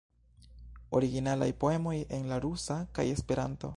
Originalaj poemoj en la rusa kaj Esperanto.